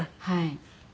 はい。